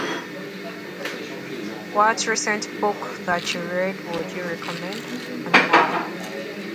What recent book that you read would you recommend, and why?